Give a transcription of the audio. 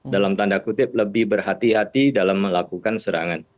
dalam tanda kutip lebih berhati hati dalam melakukan serangan